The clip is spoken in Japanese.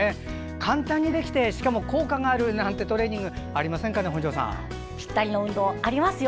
簡単にできてしかも効果があるなんてトレーニングぴったりの運動ありますよ。